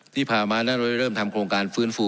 ที่ผ่านมานั้นเราได้เริ่มทำโครงการฟื้นฟู